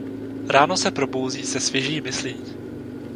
Ráno se probouzí se svěží myslí.